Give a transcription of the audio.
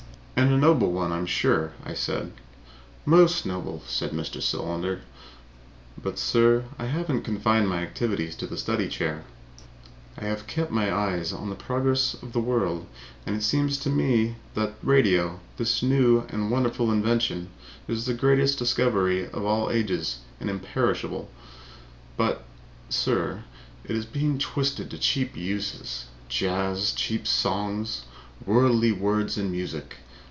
"And a noble one, I'm sure," I said. "Most noble," said Mr. Solander. "But, sir, I have not confined my activities to the study chair. I have kept my eye on the progress of the world. And it seems to me that radio, this new and wonderful invention, is the greatest discovery of all ages and imperishable. But, sir, it is being twisted to cheap uses. Jazz! Cheap songs! Worldly words and music!